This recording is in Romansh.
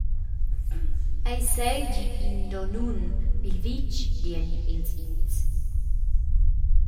Ei seigi in donnun pil vitg, dian ils ins.